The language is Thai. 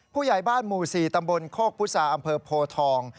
ผู้ใหญ่บ้านหมู่๔ตำบลโคกพุษาอำเภอโพทอง